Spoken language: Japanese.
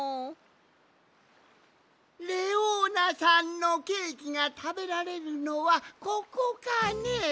レオーナさんのケーキがたべられるのはここかね？